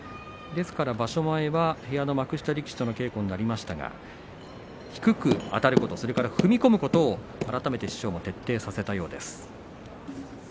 ですから幕下力士の稽古になりましたが低くあたること、それから踏み込むことを改めて師匠が徹底させたようです。